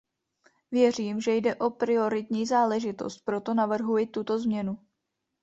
Věřím, že jde o prioritní záležitost, proto navrhuji tuto změnu.